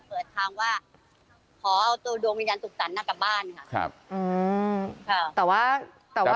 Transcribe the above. เปิดทางว่าขอเอาตัวดวงวิญญาณสุขสรรคกลับบ้านค่ะครับแต่ว่าแต่ว่า